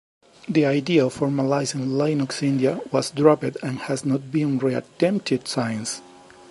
The idea of formalizing Linux India was dropped and has not been re-attempted since.